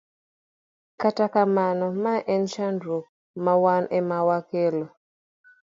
Kata kamano, mae en chandruok ma wan ema wakelo.